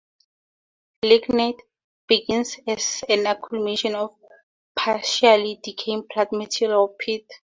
Lignite begins as an accumulation of partially decayed plant material, or peat.